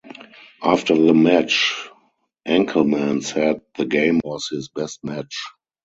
After the match, Enckelman said the game was his best match.